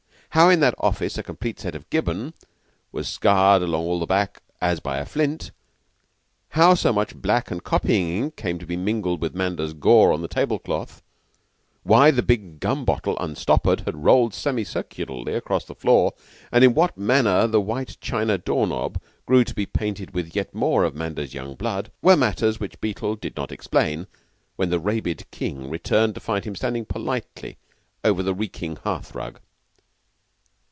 How, in that office, a complete set of "Gibbon" was scarred all along the back as by a flint; how so much black and copying ink came to be mingled with Manders's gore on the table cloth; why the big gum bottle, unstoppered, had rolled semicircularly across the floor; and in what manner the white china door knob grew to be painted with yet more of Manders's young blood, were matters which Beetle did not explain when the rabid King returned to find him standing politely over the reeking hearth rug.